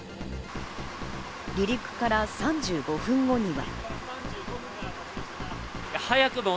離陸から３５分後には。